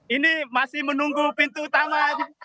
ini masih menunggu pintu utama